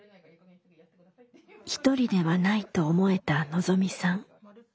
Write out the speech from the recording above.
「ひとりではない」と思えたのぞみさん。